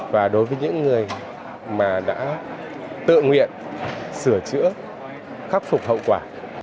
và đối với những người mà đã tự nguyện sửa chữa khắc phục hậu quả